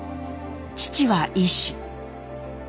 父は医師。